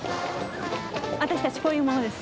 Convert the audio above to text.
私たちこういう者です。